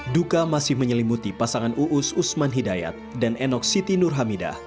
duka masih menyelimuti pasangan uus usman hidayat dan enok siti nur hamidah